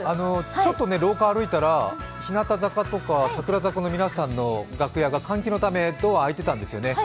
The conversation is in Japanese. ちょっと廊下を歩いたか日向坂とか櫻坂の楽屋部屋が換気のためドアが開いてたんですよね。